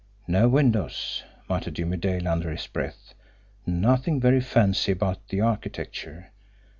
"No windows!" muttered Jimmie Dale under his breath. "Nothing very fancy about the architecture!